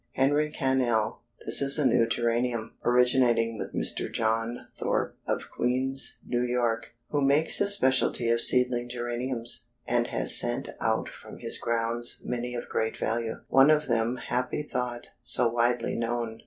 Henry Cannell this is a new geranium, originating with Mr. John Thorp of Queens, New York, who makes a specialty of seedling geraniums, and has sent out from his grounds many of great value, one of them Happy Thought, so widely known.